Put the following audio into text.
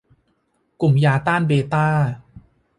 ยากลุ่มต้านเบต้า